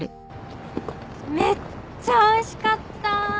めっちゃおいしかった。